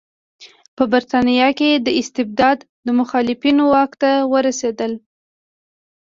په برېټانیا کې د استبداد مخالفین واک ته ورسېدل.